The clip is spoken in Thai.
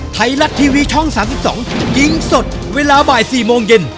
ไทยรัฐทีวีช่อง๓๒ยิงสดเวลาบ่าย๔โมงเย็น